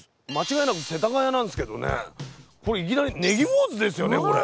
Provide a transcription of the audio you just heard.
これこれいきなりねぎ坊主ですよねこれ？